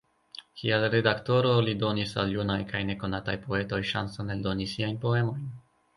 Kiel redaktoro, li donis al junaj kaj nekonataj poetoj ŝancon eldoni siajn poemojn.